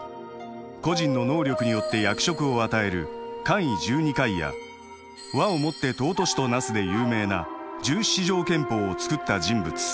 個人の能力によって役職を与える冠位十二階や「和をもって尊しとなす」で有名な十七条憲法を作った人物。